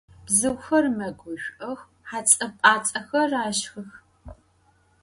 Bzıuxer meguş'ox, hets'e - p'ats'exer aşşxıx.